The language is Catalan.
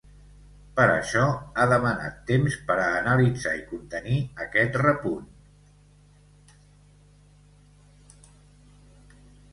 Per això, ha demanat temps per a analitzar i contenir aquest repunt.